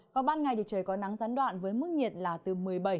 còn ban ngày thì trời có nắng gián đoạn với mức nhiệt là từ một mươi bảy đến hai mươi độ